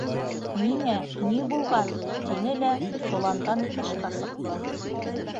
— Ниңә, ни булған? — тине лә соландан тышҡа сыҡты.